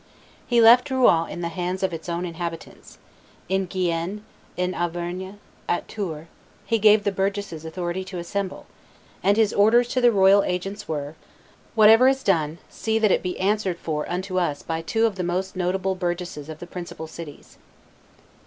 He left Rouen in the hands of its own inhabitants; in Guienne, in Auvergne, at Tours, he gave the burgesses authority to assemble, and his orders to the royal agents were, "Whatever is done see that it be answered for unto us by two of the most notable burgesses of the principal cities."